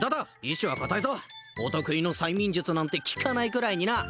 意志は固いぞお得意の催眠術なんて効かないくらいにな！